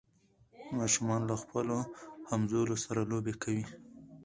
ماشومان له خپلو همزولو سره لوبې کوي.